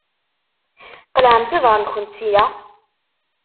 Qelɛemt iḍaṛṛen-nkent sya!